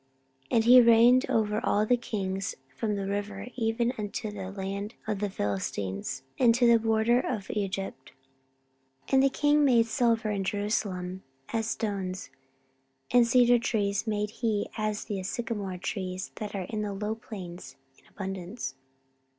14:009:026 And he reigned over all the kings from the river even unto the land of the Philistines, and to the border of Egypt. 14:009:027 And the king made silver in Jerusalem as stones, and cedar trees made he as the sycomore trees that are in the low plains in abundance.